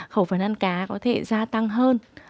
khẩu phấn ăn cá có thể gia tăng hơn